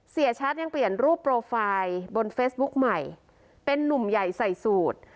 เสียชัดยังเปลี่ยนรูปโปรไฟล์บนเฟซบุ๊กใหม่เป็นนุ่มใหญ่ใส่สูตร